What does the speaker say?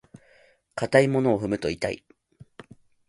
硬いものを踏むと痛い。